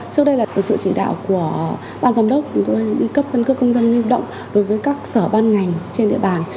trước đây là sự chỉ đạo của ban giám đốc chúng tôi đi cấp căn cước công dân lưu động đối với các sở ban ngành trên địa bàn